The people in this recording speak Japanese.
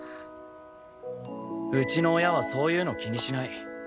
うちの親はそういうの気にしない。